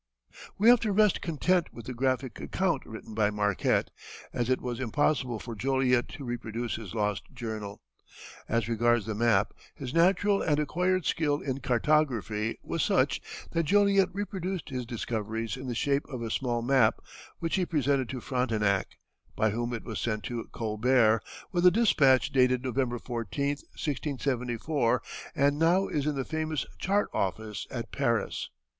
We have to rest content with the graphic account written by Marquette, as it was impossible for Joliet to reproduce his lost journal. As regards the map, his natural and acquired skill in cartography was such that Joliet reproduced his discoveries in the shape of a small map, which he presented to Frontenac, by whom it was sent to Colbert, with a despatch dated November 14, 1674, and now is in the famous Chart Office at Paris.